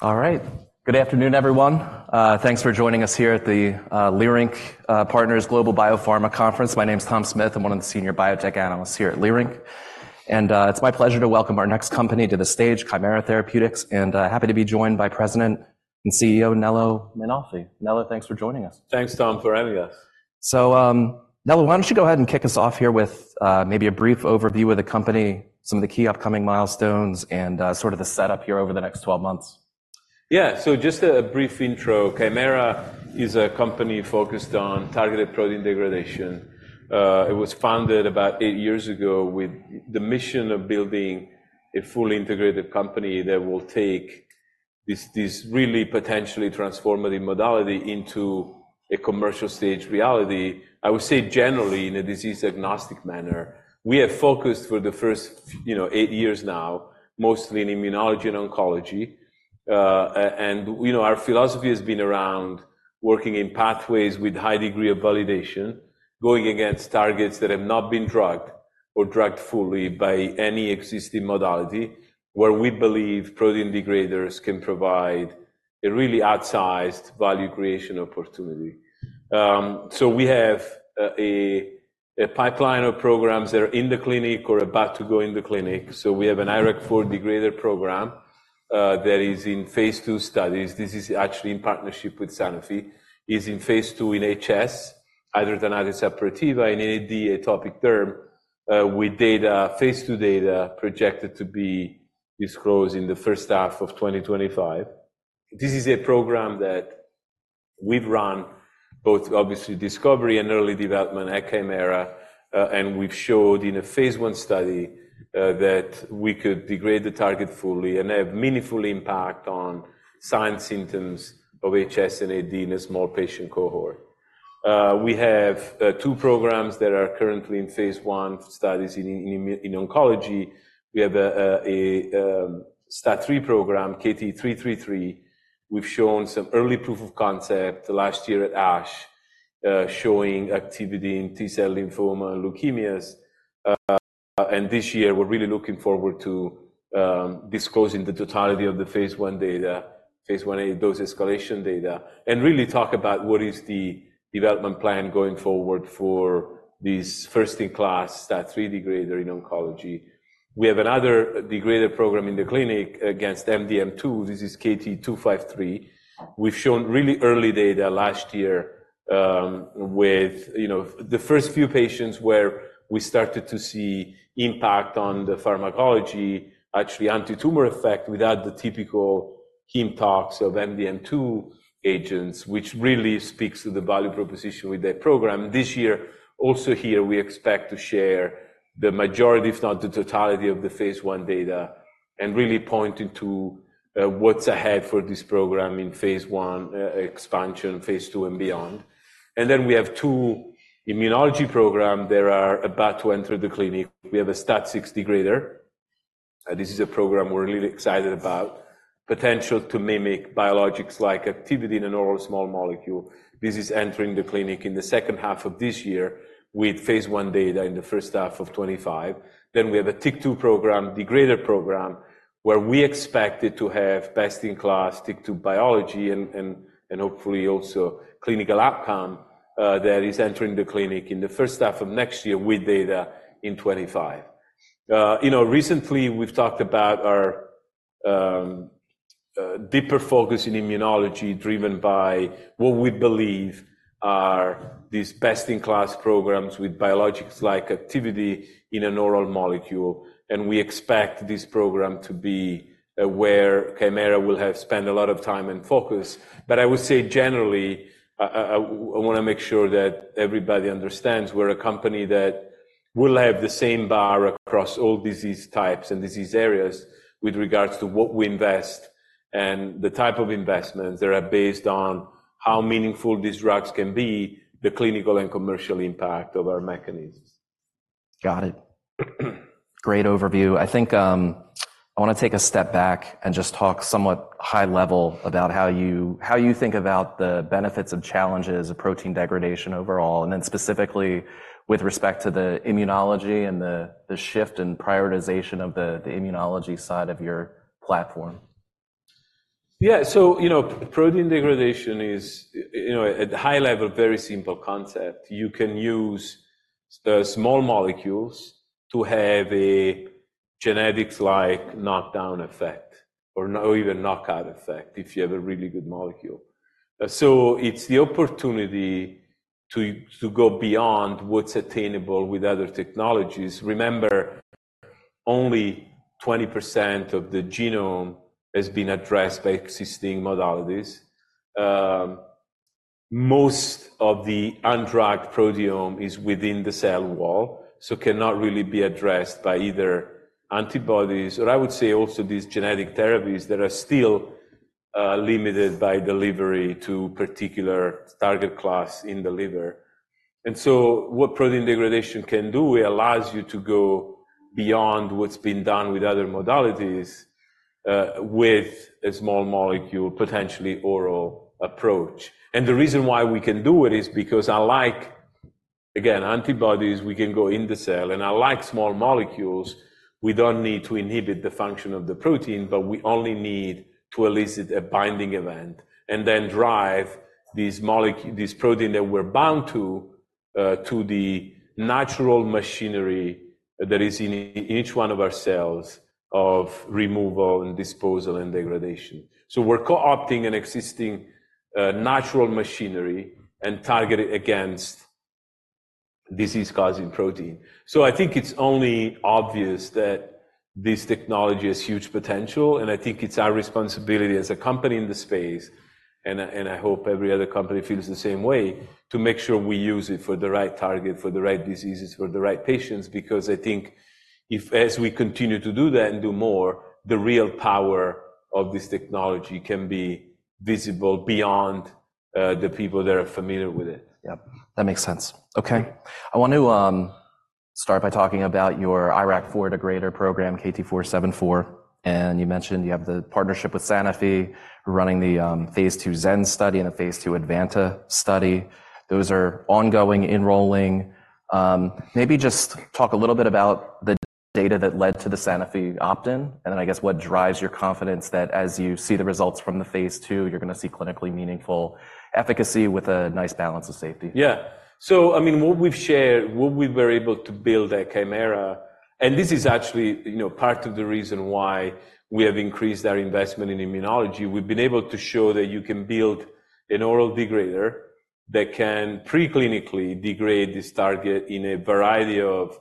All right. Good afternoon, everyone. Thanks for joining us here at the Leerink Partners Global Biopharma Conference. My name's Tom Smith. I'm one of the senior biotech analysts here at Leerink. It's my pleasure to welcome our next company to the stage, Kymera Therapeutics, and happy to be joined by President and CEO Nello Mainolfi. Nello, thanks for joining us. Thanks, Tom, for having us. So, Nello, why don't you go ahead and kick us off here with, maybe a brief overview of the company, some of the key upcoming milestones, and, sort of the setup here over the next 12 months? Yeah. So just a brief intro. Kymera is a company focused on targeted protein degradation. It was founded about eight years ago with the mission of building a fully integrated company that will take this really potentially transformative modality into a commercial stage reality, I would say generally in a disease-agnostic manner. We have focused for the first few, you know, eight years now mostly in immunology and oncology. And we, you know, our philosophy has been around working in pathways with high degree of validation, going against targets that have not been drugged or drugged fully by any existing modality, where we believe protein degraders can provide a really outsized value creation opportunity. So we have a pipeline of programs that are in the clinic or about to go in the clinic. So we have an IRAK4 degrader program that is in phase 2 studies. This is actually in partnership with Sanofi. It's in phase 2 in HS, hidradenitis suppurativa, and in AD, atopic dermatitis, with data phase 2 data projected to be disclosed in the first half of 2025. This is a program that we've run, both obviously discovery and early development at Kymera, and we've showed in a phase 1 study, that we could degrade the target fully and have meaningful impact on skin symptoms of HS and AD in a small patient cohort. We have 2 programs that are currently in phase 1 studies in immuno-oncology. We have a STAT3 program, KT-333. We've shown some early proof of concept last year at ASH, showing activity in T-cell lymphoma and leukemias. This year we're really looking forward to disclosing the totality of the phase 1 data, phase 1A dose escalation data, and really talk about what is the development plan going forward for this first-in-class STAT3 degrader in oncology. We have another degrader program in the clinic against MDM2. This is KT-253. We've shown really early data last year, with, you know, the first few patients where we started to see impact on the pharmacology, actually anti-tumor effect without the typical heme tox of MDM2 agents, which really speaks to the value proposition with that program. This year also here we expect to share the majority, if not the totality of the phase 1 data, and really point into, what's ahead for this program in phase 1, expansion, phase 2, and beyond. Then we have two immunology programs that are about to enter the clinic. We have a TYK6 degrader. This is a program we're really excited about, potential to mimic biologics-like activity in a normal small molecule. This is entering the clinic in the second half of this year with phase 1 data in the first half of 2025. Then we have a TYK2 program, degrader program, where we expect it to have best-in-class TYK2 biology and, and hopefully also clinical outcome, that is entering the clinic in the first half of next year with data in 2025. You know, recently we've talked about our, deeper focus in immunology driven by what we believe are these best-in-class programs with biologics-like activity in a normal molecule. And we expect this program to be, where Kymera will have spent a lot of time and focus. I would say generally, I wanna make sure that everybody understands we're a company that will have the same bar across all disease types and disease areas with regards to what we invest and the type of investments that are based on how meaningful these drugs can be, the clinical and commercial impact of our mechanisms. Got it. Great overview. I think, I wanna take a step back and just talk somewhat high level about how you think about the benefits and challenges of protein degradation overall, and then specifically with respect to the immunology and the shift and prioritization of the immunology side of your platform. Yeah. So, you know, protein degradation is, you know, at high level, very simple concept. You can use the small molecules to have a genetics-like knockdown effect or even knockout effect if you have a really good molecule. So it's the opportunity to go beyond what's attainable with other technologies. Remember, only 20% of the genome has been addressed by existing modalities. Most of the undrugged proteome is within the cell wall, so cannot really be addressed by either antibodies or I would say also these genetic therapies that are still limited by delivery to particular target class in the liver. And so what protein degradation can do, it allows you to go beyond what's been done with other modalities, with a small molecule, potentially oral approach. And the reason why we can do it is because unlike, again, antibodies, we can go in the cell. Unlike small molecules, we don't need to inhibit the function of the protein, but we only need to elicit a binding event and then drive these protein that we're bound to, to the natural machinery that is in each one of our cells of removal and disposal and degradation. We're co-opting an existing, natural machinery and targeted against disease-causing protein. I think it's only obvious that this technology has huge potential. I think it's our responsibility as a company in the space, and I and I hope every other company feels the same way, to make sure we use it for the right target, for the right diseases, for the right patients. Because I think if as we continue to do that and do more, the real power of this technology can be visible beyond the people that are familiar with it. Yep. That makes sense. Okay. I wanna start by talking about your IRAK4 degrader program, KT-474. You mentioned you have the partnership with Sanofi running the phase 2 ZEN study and the phase 2 ADVANTA study. Those are ongoing, enrolling. Maybe just talk a little bit about the data that led to the Sanofi opt-in, and then I guess what drives your confidence that as you see the results from the phase 2, you're gonna see clinically meaningful efficacy with a nice balance of safety. Yeah. So, I mean, what we've shared, what we were able to build at Kymera and this is actually, you know, part of the reason why we have increased our investment in immunology. We've been able to show that you can build an oral degrader that can preclinically degrade this target in a variety of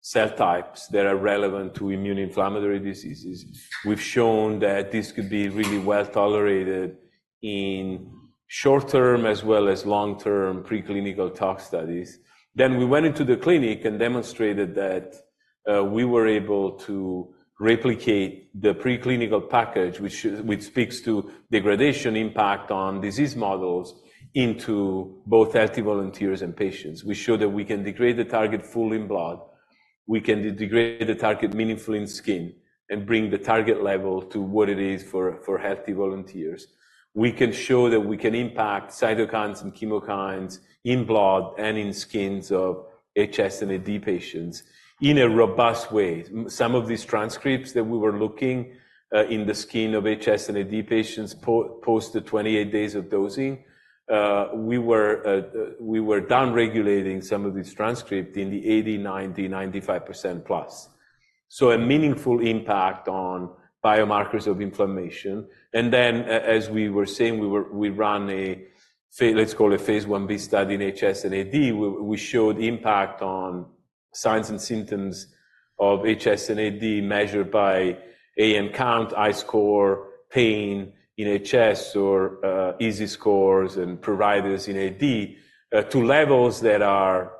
cell types that are relevant to immune-inflammatory diseases. We've shown that this could be really well tolerated in short-term as well as long-term preclinical tox studies. Then we went into the clinic and demonstrated that we were able to replicate the preclinical package, which speaks to degradation impact on disease models, into both healthy volunteers and patients. We show that we can degrade the target fully in blood. We can degrade the target meaningfully in skin and bring the target level to what it is for healthy volunteers. We can show that we can impact cytokines and chemokines in blood and in skin of HS and AD patients in a robust way. Some of these transcripts that we were looking, in the skin of HS and AD patients post 28 days of dosing, we were downregulating some of these transcripts in the 80%, 90%, 95% plus. So a meaningful impact on biomarkers of inflammation. And then, as we were saying, we ran a, let's call it phase 1b study in HS and AD. We showed impact on signs and symptoms of HS and AD measured by AN count, HiSCR, pain in HS, or EASI scores and pruritus in AD, to levels that are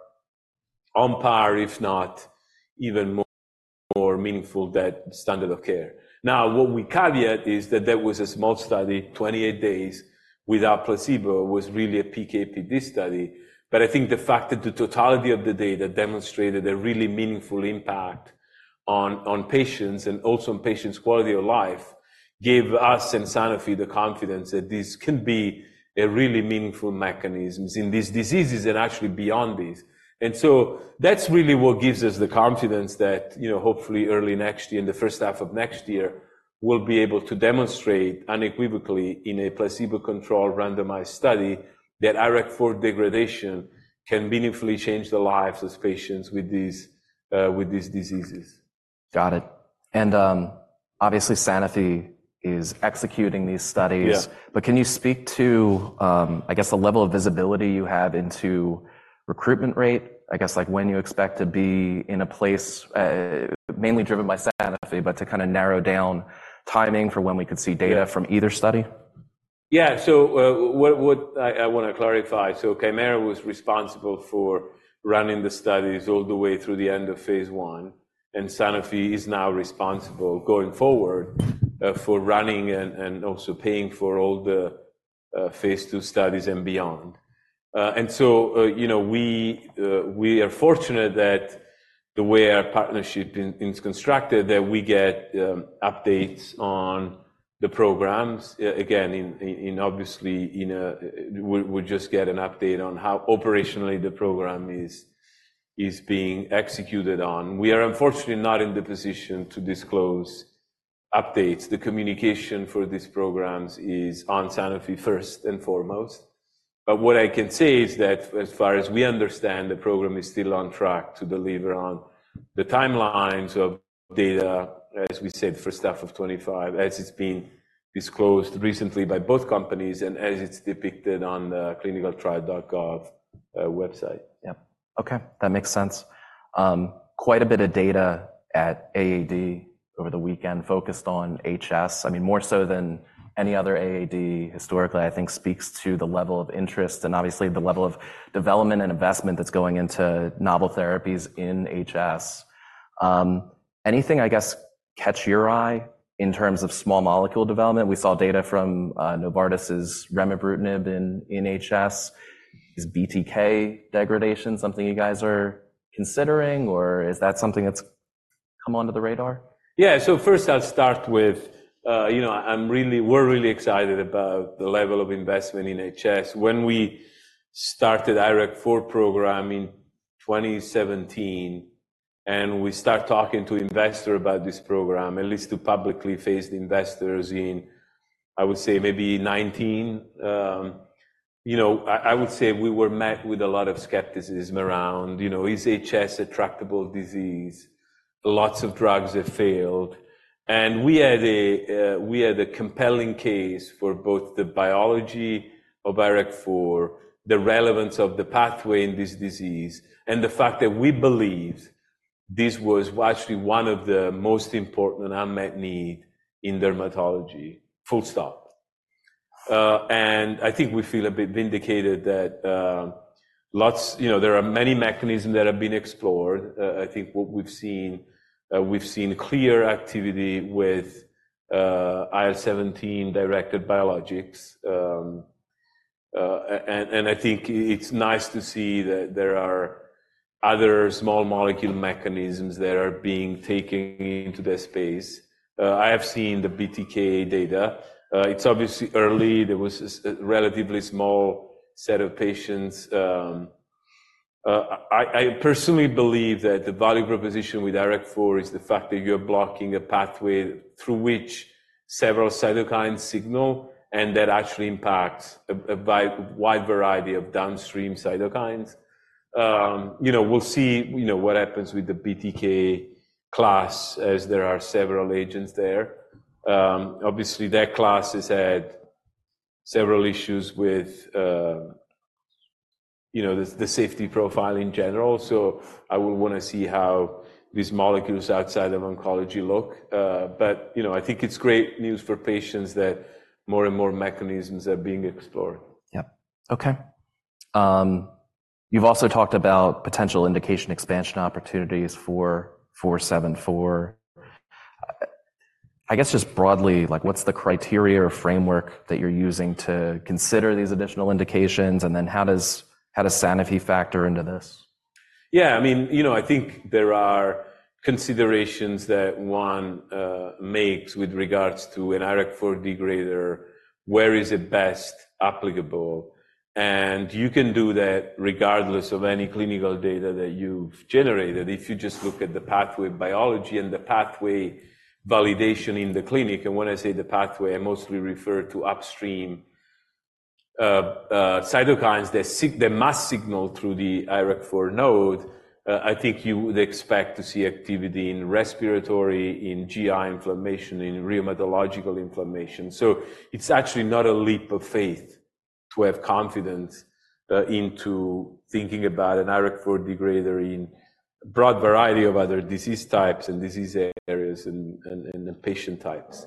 on par, if not even more meaningful than standard of care. Now, what we caveat is that that was a small study, 28 days without placebo, was really a PKPD study. But I think the fact that the totality of the data demonstrated a really meaningful impact on, on patients and also on patients' quality of life gave us and Sanofi the confidence that these can be a really meaningful mechanisms in these diseases and actually beyond these. And so that's really what gives us the confidence that, you know, hopefully early next year in the first half of next year we'll be able to demonstrate unequivocally in a placebo-controlled randomized study that IRAK4 degradation can meaningfully change the lives of patients with these, with these diseases. Got it. Obviously, Sanofi is executing these studies. Yeah. But can you speak to, I guess, the level of visibility you have into recruitment rate, I guess, like when you expect to be in a place, mainly driven by Sanofi, but to kinda narrow down timing for when we could see data from either study? Yeah. So, what, what I, I wanna clarify. So Kymera was responsible for running the studies all the way through the end of phase 1. And Sanofi is now responsible going forward, for running and, and also paying for all the, phase 2 studies and beyond. And so, you know, we, we are fortunate that the way our partnership in-is constructed that we get, updates on the programs, a-again, in, in, in obviously in a, we-we just get an update on how operationally the program is, is being executed on. We are unfortunately not in the position to disclose updates. The communication for these programs is on Sanofi first and foremost. But what I can say is that as far as we understand, the program is still on track to deliver on the timelines of data, as we said, first half of 2025, as it's been disclosed recently by both companies and as it's depicted on the ClinicalTrials.gov website. Yep. Okay. That makes sense. Quite a bit of data at AAD over the weekend focused on HS. I mean, more so than any other AAD historically, I think speaks to the level of interest and obviously the level of development and investment that's going into novel therapies in HS. Anything, I guess, catch your eye in terms of small molecule development? We saw data from Novartis's remibrutinib in, in HS. Is BTK degradation something you guys are considering, or is that something that's come onto the radar? Yeah. So first I'll start with, you know, I'm really we're really excited about the level of investment in HS. When we started IRAK4 program in 2017 and we start talking to investors about this program, at least to publicly faced investors in, I would say, maybe 2019, you know, I, I would say we were met with a lot of skepticism around, you know, is HS a tractable disease? Lots of drugs have failed. And we had a, we had a compelling case for both the biology of IRAK4, the relevance of the pathway in this disease, and the fact that we believed this was actually one of the most important unmet needs in dermatology. Full stop. And I think we feel a bit vindicated that, lots you know, there are many mechanisms that have been explored. I think what we've seen, we've seen clear activity with IL-17 directed biologics. And I think it's nice to see that there are other small molecule mechanisms that are being taken into that space. I have seen the BTK data. It's obviously early. There was a relatively small set of patients. I personally believe that the value proposition with IRAK4 is the fact that you're blocking a pathway through which several cytokines signal and that actually impacts a wide variety of downstream cytokines. You know, we'll see, you know, what happens with the BTK class as there are several agents there. Obviously that class has had several issues with, you know, the safety profile in general. So I will wanna see how these molecules outside of oncology look. you know, I think it's great news for patients that more and more mechanisms are being explored. Yep. Okay. You've also talked about potential indication expansion opportunities for 474. I guess just broadly, like, what's the criteria or framework that you're using to consider these additional indications, and then how does Sanofi factor into this? Yeah. I mean, you know, I think there are considerations that one makes with regards to an IRAK4 degrader, where is it best applicable? And you can do that regardless of any clinical data that you've generated. If you just look at the pathway biology and the pathway validation in the clinic and when I say the pathway, I mostly refer to upstream cytokines that must signal through the IRAK4 node. I think you would expect to see activity in respiratory, in GI inflammation, in rheumatological inflammation. So it's actually not a leap of faith to have confidence into thinking about an IRAK4 degrader in a broad variety of other disease types and disease areas and, and, and patient types.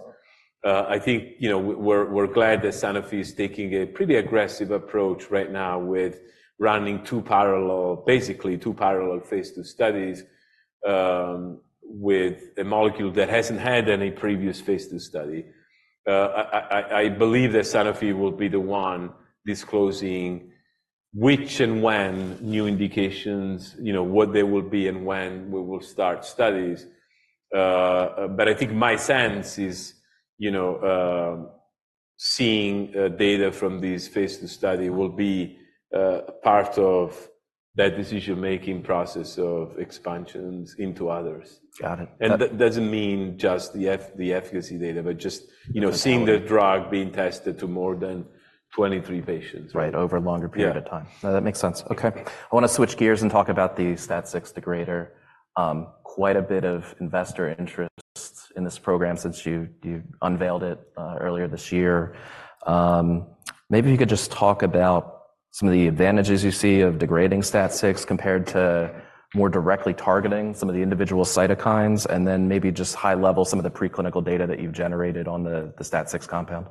I think, you know, we're glad that Sanofi is taking a pretty aggressive approach right now with running two parallel basically two parallel phase 2 studies, with a molecule that hasn't had any previous phase 2 study. I believe that Sanofi will be the one disclosing which and when new indications, you know, what they will be and when we will start studies. But I think my sense is, you know, seeing data from these phase 2 study will be part of that decision-making process of expansions into others. Got it. That doesn't mean just the efficacy data, but just, you know, seeing the drug being tested to more than 23 patients. Right. Over a longer period of time. Yeah. No, that makes sense. Okay. I wanna switch gears and talk about the STAT6 degrader. Quite a bit of investor interest in this program since you, you unveiled it, earlier this year. Maybe if you could just talk about some of the advantages you see of degrading STAT6 compared to more directly targeting some of the individual cytokines and then maybe just high-level some of the preclinical data that you've generated on the, the STAT6 compound.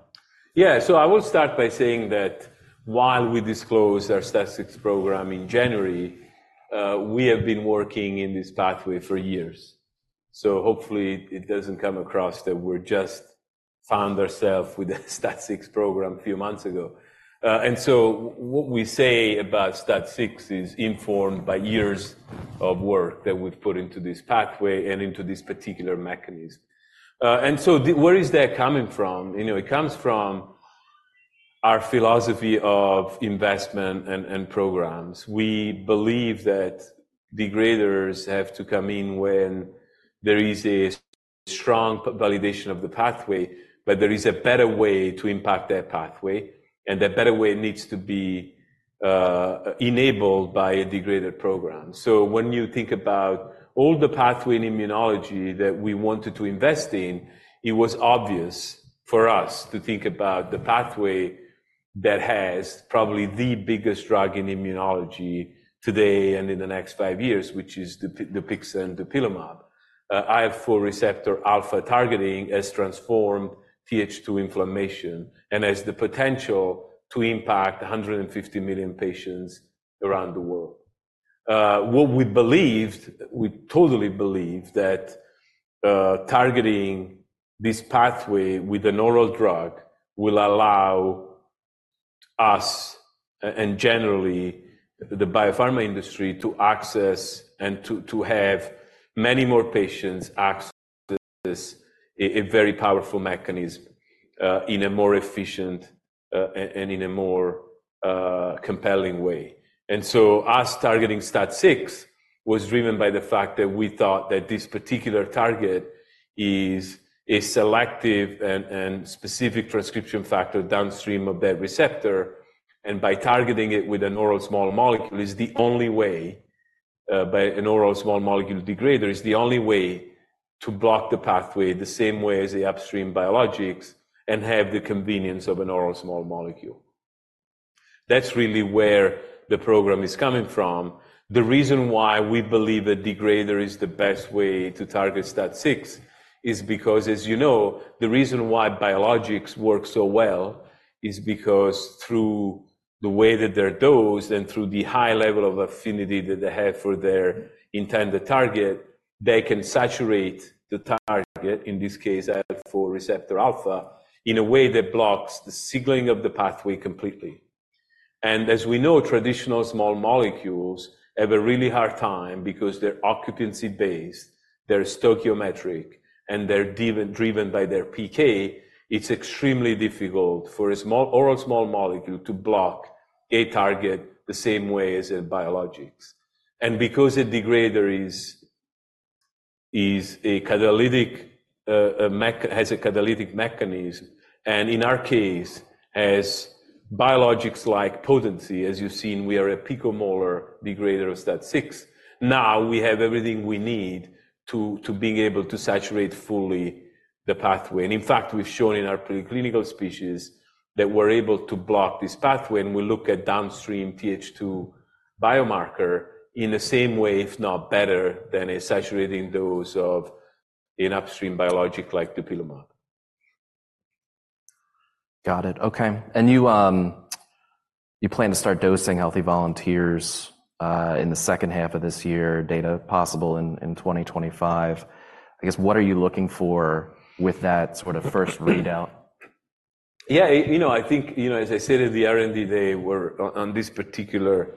Yeah. So I will start by saying that while we disclose our STAT6 program in January, we have been working in this pathway for years. So hopefully it, it doesn't come across that we're just found ourselves with the STAT6 program a few months ago. And so what we say about STAT6 is informed by years of work that we've put into this pathway and into this particular mechanism. And so, where is that coming from? You know, it comes from our philosophy of investment and, and programs. We believe that degraders have to come in when there is a strong validation of the pathway, but there is a better way to impact that pathway. And that better way needs to be, enabled by a degrader program. So when you think about all the pathway in immunology that we wanted to invest in, it was obvious for us to think about the pathway that has probably the biggest drug in immunology today and in the next five years, which is the Dupixent, dupilumab. IL-4 receptor alpha targeting has transformed Th2 inflammation and has the potential to impact 150 million patients around the world. What we totally believed that, targeting this pathway with an oral drug will allow us and generally the biopharma industry to access and to have many more patients access a very powerful mechanism, in a more efficient and in a more compelling way. And so us targeting STAT6 was driven by the fact that we thought that this particular target is a selective and specific transcription factor downstream of that receptor. By targeting it with an oral small molecule is the only way, by an oral small molecule degrader is the only way to block the pathway the same way as the upstream biologics and have the convenience of an oral small molecule. That's really where the program is coming from. The reason why we believe a degrader is the best way to target STAT6 is because, as you know, the reason why biologics work so well is because through the way that they're dosed and through the high level of affinity that they have for their intended target, they can saturate the target, in this case IL-4 receptor alpha, in a way that blocks the signaling of the pathway completely. And as we know, traditional small molecules have a really hard time because they're occupancy-based, they're stoichiometric, and they're driven by their PK. It's extremely difficult for a small oral small molecule to block a target the same way as a biologics. And because a degrader is a catalytic mechanism has a catalytic mechanism and in our case has biologics like potency, as you've seen, we are a picomolar degrader of STAT6. Now we have everything we need to being able to saturate fully the pathway. And in fact, we've shown in our preclinical species that we're able to block this pathway and we look at downstream TH2 biomarker in the same way, if not better, than a saturating dose of an upstream biologic like dupilumab. Got it. Okay. And you plan to start dosing healthy volunteers in the second half of this year, data possible in 2025. I guess what are you looking for with that sort of first readout? Yeah. You know, I think, you know, as I said at the R&D day, we're on this particular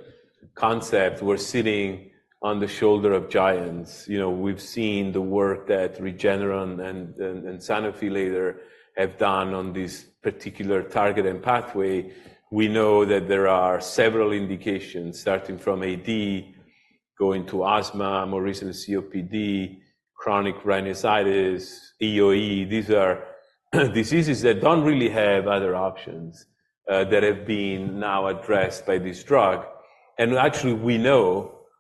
concept, we're sitting on the shoulders of giants. You know, we've seen the work that Regeneron and Sanofi have done on this particular target and pathway. We know that there are several indications starting from AD going to asthma, more recently COPD, chronic rhinosinusitis, EOE. These are diseases that don't really have other options, that have been now addressed by this drug. And actually we know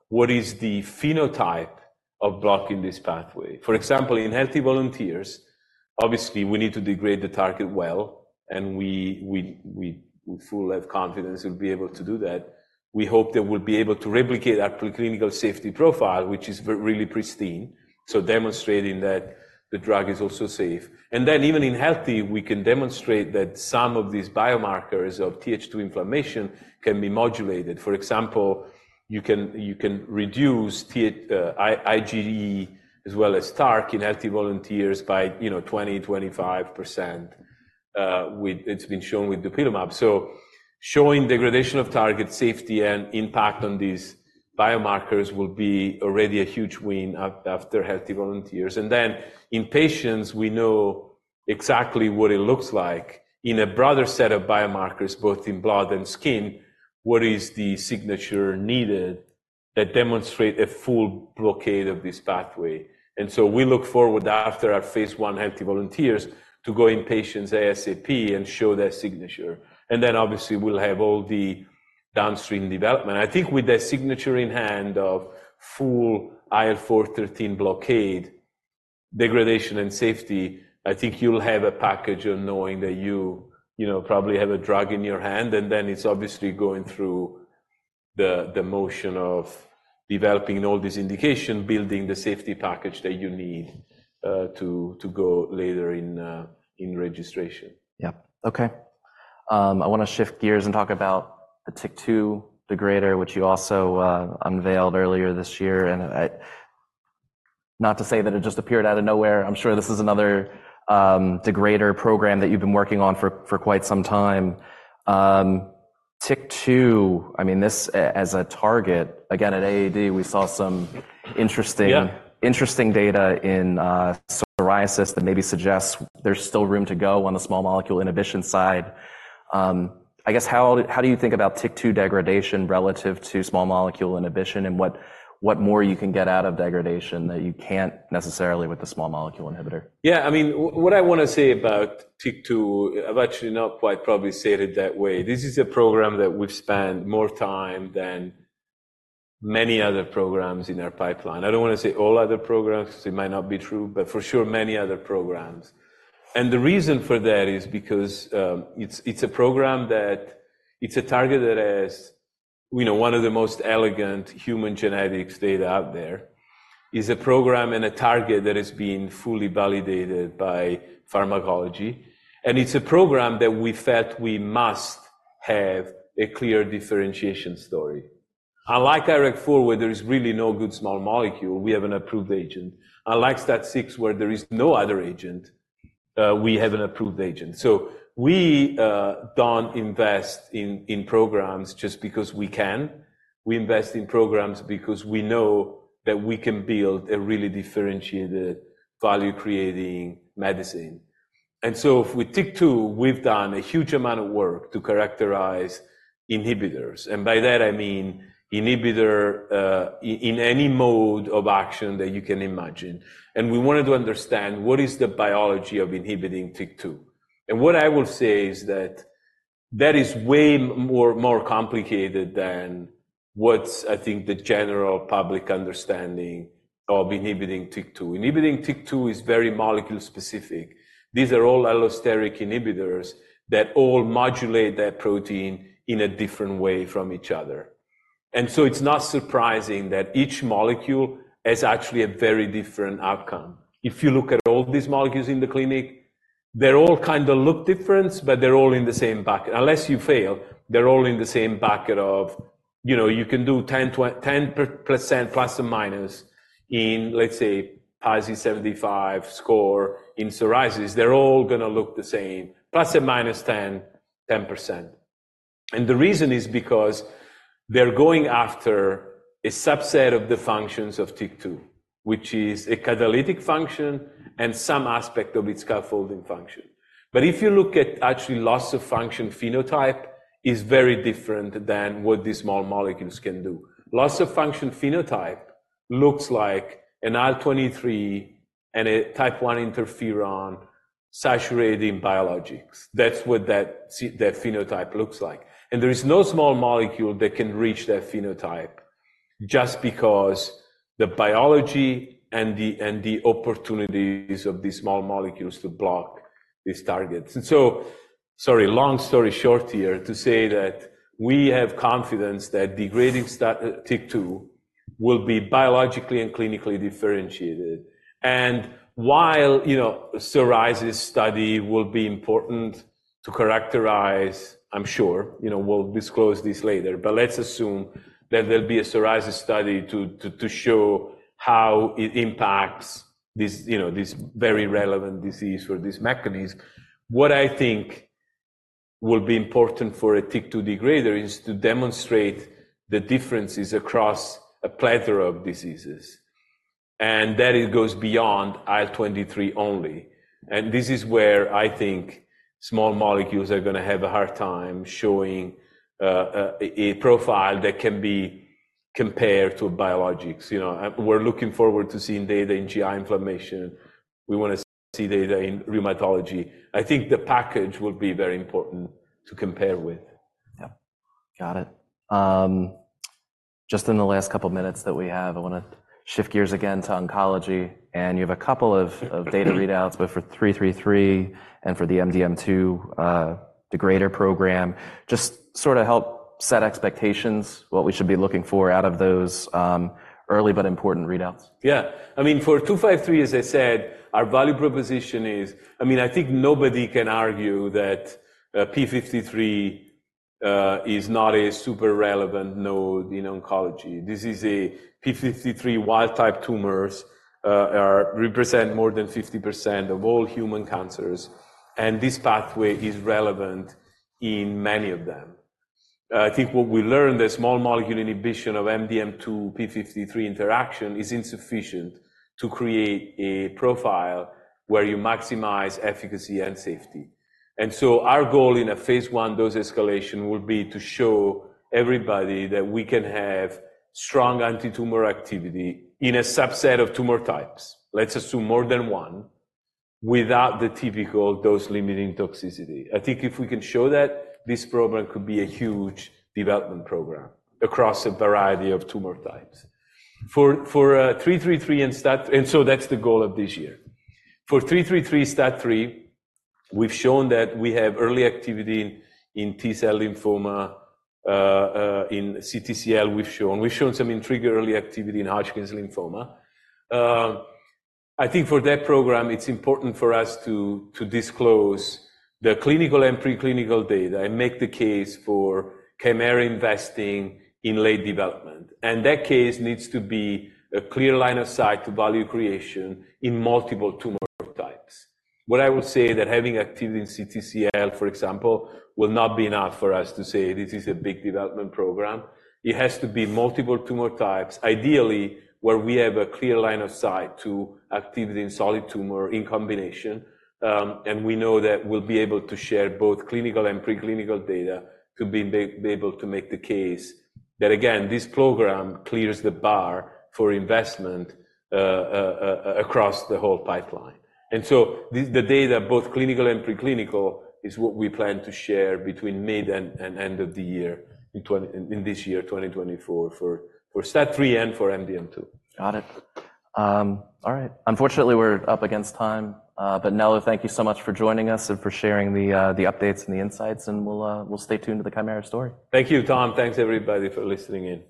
what is the phenotype of blocking this pathway. For example, in healthy volunteers, obviously we need to degrade the target well, and we have full confidence we'll be able to do that. We hope that we'll be able to replicate our preclinical safety profile, which is very really pristine, so demonstrating that the drug is also safe. And then even in healthy volunteers, we can demonstrate that some of these biomarkers of TH2 inflammation can be modulated. For example, you can reduce total IgE as well as TARC in healthy volunteers by, you know, 20%-25%, with it's been shown with dupilumab. So showing degradation of target safety and impact on these biomarkers will be already a huge win after healthy volunteers. And then in patients, we know exactly what it looks like in a broader set of biomarkers, both in blood and skin, what is the signature needed that demonstrate a full blockade of this pathway. And so we look forward after our phase 1 healthy volunteers to go in patients ASAP and show that signature. And then obviously we'll have all the downstream development. I think with that signature in hand of full IL-4/13 blockade, degradation, and safety, I think you'll have a package of knowing that you, you know, probably have a drug in your hand. And then it's obviously going through the motion of developing all this indication, building the safety package that you need, to go later in registration. Yep. Okay. I wanna shift gears and talk about the TYK2 degrader, which you also unveiled earlier this year. Not to say that it just appeared out of nowhere. I'm sure this is another degrader program that you've been working on for quite some time. TYK2, I mean, this as a target, again, at AAD we saw some interesting. Yeah. Interesting data in psoriasis that maybe suggests there's still room to go on the small molecule inhibition side. I guess how do you think about TYK2 degradation relative to small molecule inhibition and what more you can get out of degradation that you can't necessarily with the small molecule inhibitor? Yeah. I mean, what I wanna say about TYK2 I've actually not quite probably said it that way. This is a program that we've spent more time than many other programs in our pipeline. I don't wanna say all other programs 'cause it might not be true, but for sure many other programs. And the reason for that is because, it's a program that it's a target that has, you know, one of the most elegant human genetics data out there. It's a program and a target that has been fully validated by pharmacology. And it's a program that we felt we must have a clear differentiation story. Unlike IRAK4 where there is really no good small molecule, we have an approved agent. Unlike STAT6 where there is no other agent, we have an approved agent. So we don't invest in programs just because we can. We invest in programs because we know that we can build a really differentiated value-creating medicine. And so with TYK2, we've done a huge amount of work to characterize inhibitors. And by that I mean inhibitor, in any mode of action that you can imagine. And we wanted to understand what is the biology of inhibiting TYK2. And what I will say is that that is way more complicated than what's, I think, the general public understanding of inhibiting TYK2. Inhibiting TYK2 is very molecule-specific. These are all allosteric inhibitors that all modulate that protein in a different way from each other. And so it's not surprising that each molecule has actually a very different outcome. If you look at all these molecules in the clinic, they're all kinda look different, but they're all in the same bucket. Unless you fail, they're all in the same bucket of, you know, you can do 10, 20, 10% plus and minus in, let's say, PASI-75 score in psoriasis. They're all gonna look the same, ±10, 10%. The reason is because they're going after a subset of the functions of TYK2, which is a catalytic function and some aspect of its scaffolding function. But if you look at, actually, loss of function phenotype is very different than what these small molecules can do. Loss of function phenotype looks like an IL-23 and a type I Interferon saturating biologics. That's what that phenotype looks like. There is no small molecule that can reach that phenotype just because the biology and the opportunities of these small molecules to block these targets. So sorry, long story short here, to say that we have confidence that degrading STAT6 will be biologically and clinically differentiated. And while, you know, psoriasis study will be important to characterize, I'm sure, you know, we'll disclose this later. But let's assume that there'll be a psoriasis study to show how it impacts this, you know, this very relevant disease for this mechanism. What I think will be important for a STAT6 degrader is to demonstrate the differences across a plethora of diseases. And that it goes beyond IL-23 only. And this is where I think small molecules are gonna have a hard time showing a profile that can be compared to biologics. You know, we're looking forward to seeing data in GI inflammation. We wanna see data in rheumatology. I think the package will be very important to compare with. Yep. Got it. Just in the last couple minutes that we have, I wanna shift gears again to oncology. You have a couple of data readouts, both for 333 and for the MDM2 degrader program. Just sorta help set expectations, what we should be looking for out of those early but important readouts. Yeah. I mean, for 253, as I said, our value proposition is I mean, I think nobody can argue that p53 is not a super relevant node in oncology. This is, p53 wild-type tumors represent more than 50% of all human cancers. And this pathway is relevant in many of them. I think what we learned, the small molecule inhibition of MDM2 p53 interaction is insufficient to create a profile where you maximize efficacy and safety. And so our goal in a phase 1 dose escalation will be to show everybody that we can have strong anti-tumor activity in a subset of tumor types, let's assume more than one, without the typical dose-limiting toxicity. I think if we can show that, this program could be a huge development program across a variety of tumor types. For 333 and STAT and so that's the goal of this year. For 333 STAT3, we've shown that we have early activity in T-cell lymphoma, in CTCL we've shown. We've shown some intriguing early activity in Hodgkin's lymphoma. I think for that program, it's important for us to disclose the clinical and preclinical data and make the case for Kymera investing in late development. And that case needs to be a clear line of sight to value creation in multiple tumor types. What I will say is that having activity in CTCL, for example, will not be enough for us to say this is a big development program. It has to be multiple tumor types, ideally where we have a clear line of sight to activity in solid tumor in combination. and we know that we'll be able to share both clinical and preclinical data to be able to make the case that, again, this program clears the bar for investment, across the whole pipeline. And so the data, both clinical and preclinical, is what we plan to share between mid and end of the year in 2024, for STAT3 and for MDM2. Got it. All right. Unfortunately, we're up against time. Nello, thank you so much for joining us and for sharing the updates and the insights. We'll stay tuned to the Kymera story. Thank you, Tom. Thanks everybody for listening in.